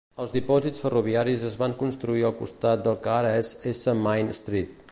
Els dipòsits ferroviaris es van construir al costat del que ara és S. Main Street.